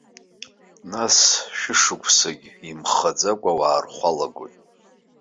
Нас шәышықәсагьы имхаӡакәа ауаа рхәы алагоит.